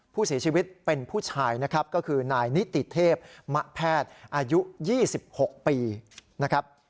ผู้เสียชีวิตเป็นผู้ชายนะครับก็คือนายนิติเทพมะแพทย์อายุ๒๖ปีนะครับ